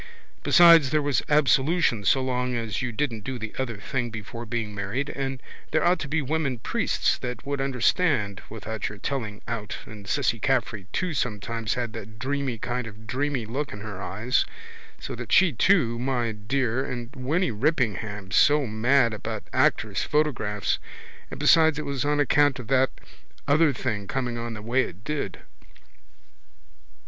Besides there was absolution so long as you didn't do the other thing before being married and there ought to be women priests that would understand without your telling out and Cissy Caffrey too sometimes had that dreamy kind of dreamy look in her eyes so that she too, my dear, and Winny Rippingham so mad about actors' photographs and besides it was on account of that other thing coming on the way it did.